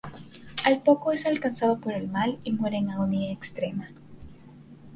Al poco es alcanzado por el mal, y muere en agonía extrema.